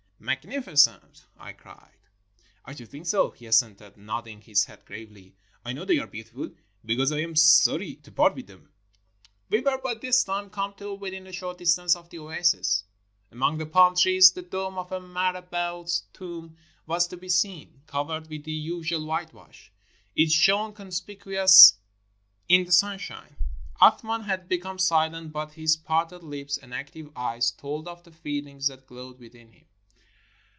"Magnificent!" I cried. 3SO THE OASIS OF THE GREAT GRANDFATHER "I should think so," he assented, nodding his head gravely. "I know they are beautiful, because I am sorry to part with them." We were by this time come to within a short distance of the oasis. Among the palm trees, the dome of a mara bout's tomb was to be seen. Covered with the usual whitewash, it shone conspicuous in the sunshine. Ath man had become silent, but his parted lips and active eyes told of the feelings that glowed within him.